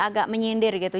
agak menyindir gitu